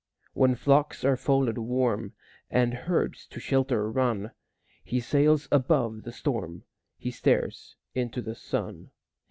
When flocks are folded warm, And herds to shelter run, He sails above the storm, He stares into the sun.